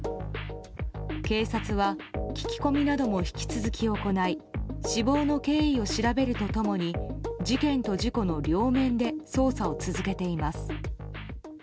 警察は聞き込みなども引き続き行い死亡の経緯を調べると共に事件と事故の両面で捜査を続けています。